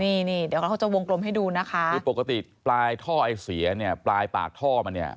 นี่นี่เดี๋ยวเขาจะวงกลมให้ดูนะคะคือปกติปลายท่อไอเสียเนี่ยปลายปากท่อมันเนี่ย